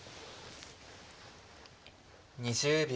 ２０秒。